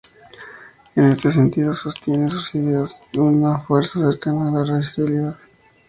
En este sentido, sostiene sus ideas con una fuerza cercana a la radicalidad.